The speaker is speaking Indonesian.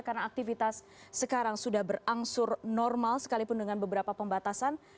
karena aktivitas sekarang sudah berangsur normal sekalipun dengan beberapa pembatasan